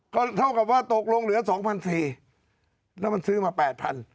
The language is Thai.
ก็เท่ากับว่าตกลงเหลือสองพันสี่แล้วมันซื้อมาแปดพัน